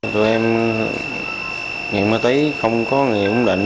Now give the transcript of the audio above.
tụi em nghiện ma túy không có nghị ủng định